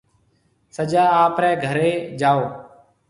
سجا آپرَي گھريَ جائو۔